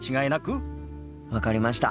分かりました。